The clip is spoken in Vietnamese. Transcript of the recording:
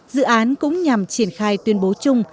dự án cũng nhằm triển khai tuyên bố chung